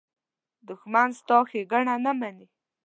دښمن ستا ښېګڼه نه مني